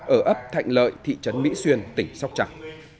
ở ấp thạnh lợi thị trấn mỹ xuyên tỉnh sóc trăng